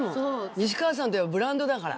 西川さんといえばブランドだから。